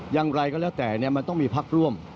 อย่างไรก็แล้วแต่มันต้องมีพักร่วม